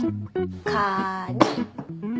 カニ。